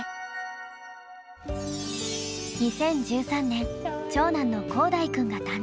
２０１３年長男の光大くんが誕生。